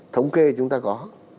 thống kê chúng ta có